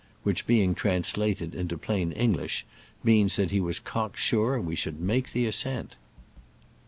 which, being translated into plain Eng lish, meant that he was cock sure we should make its ascent.